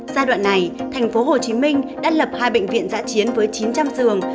giai đoạn này tp hcm đã lập hai bệnh viện giã chiến với chín trăm linh giường